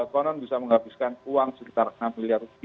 konon bisa menghabiskan uang sekitar rp enam miliar